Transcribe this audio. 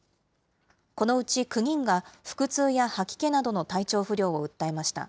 このうち９人が、腹痛や吐き気などの体調不良を訴えました。